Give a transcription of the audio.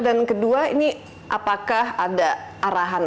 dan kedua ini apakah ada arahan arahan tertentu